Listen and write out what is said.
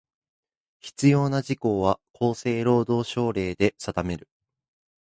必要な事項は、厚生労働省令で定める。